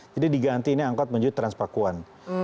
jadi diganti ini angkot menuju transpakuan